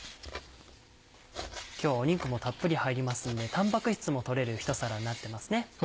今日は肉もたっぷり入りますのでタンパク質も取れるひと皿になってますね。